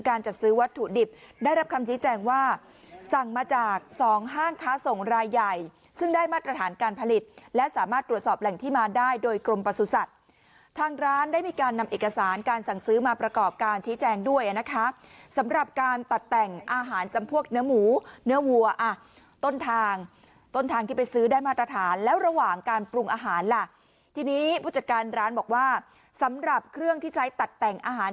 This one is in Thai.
การจัดซื้อวัตถุดิบได้รับคำชี้แจงว่าสั่งมาจาก๒ห้างค้าส่งรายใหญ่ซึ่งได้มาตรฐานการผลิตและสามารถตรวจสอบแหล่งที่มาได้โดยกรมประสุทธิ์สัตว์ทางร้านได้มีการนำเอกสารการสั่งซื้อมาประกอบการชี้แจงด้วยนะคะสำหรับการตัดแต่งอาหารจำพวกเนื้อหมูเนื้อวัวต้นทางต้นทางที่ไปซื้อได้มาตรฐาน